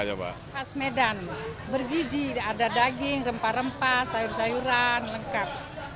khas medan bergiji ada daging rempah rempah sayur sayuran lengkap